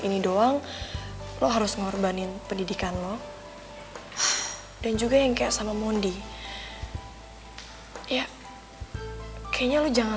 ini doang lo harus mengorbanin pendidikan lo dan juga yang kayak sama mondi ya kayaknya lo jangan